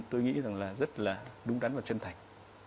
tôi nghĩ rằng là rất là đúng đắn và chân thành